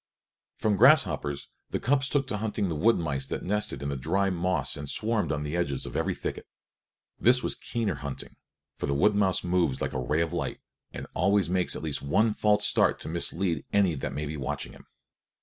From grasshoppers the cubs took to hunting the wood mice that nested in the dry moss and swarmed on the edges of every thicket. This was keener hunting; for the wood mouse moves like a ray of light, and always makes at least one false start to mislead any that may be watching for him.